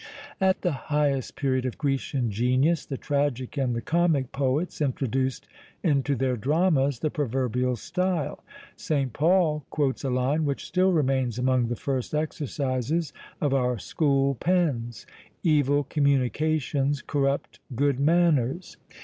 At the highest period of Grecian genius, the tragic and the comic poets introduced into their dramas the proverbial style. St. Paul quotes a line which still remains among the first exercises of our school pens: Evil communications corrupt good manners.